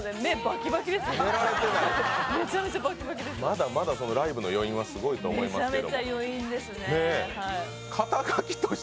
まだまだライブの余韻はすごいと思いますけど。